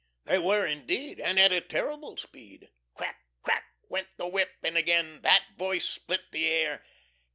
They were indeed, and at a terrible speed. Crack, crack! went the whip, and again "that voice" split the air.